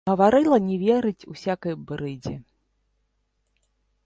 Гаварыла не верыць усякай брыдзе!